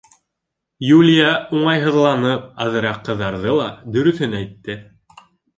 Юлия, уңайһыҙланып, аҙыраҡ ҡыҙарҙы ла дөрөҫөн әйтте: